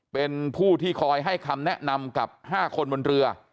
เป็นผู้ที่คอยให้คำแนะนำกับ๕คนบนเรือ